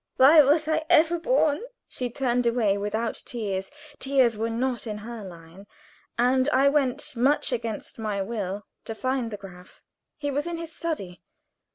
Why was I ever born?" She turned away without tears tears were not in her line and I went, much against my will, to find the Graf. He was in his study.